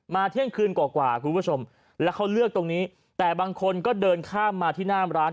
เที่ยงคืนกว่าคุณผู้ชมแล้วเขาเลือกตรงนี้แต่บางคนก็เดินข้ามมาที่หน้าร้าน